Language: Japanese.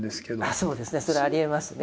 そうですねそれはありえますね。